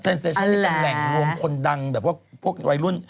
เป็นแหล่งโรงคนดังแบบว่าพวกวัยรุ่น